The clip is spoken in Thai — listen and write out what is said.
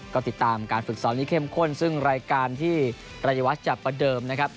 ก็ติดตามการฝึกซ้อมที่เข้มข้นซึ่งรายการที่รายวัฒน์จะประเดิมนะครับ